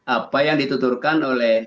apa yang dituturkan oleh